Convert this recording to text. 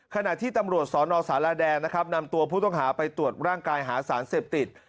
ขณะที่ตำรวจสนสารแดนนะครับนำตัวผู้ต้องหาไปตรวจร่างกายหาสารเสพติด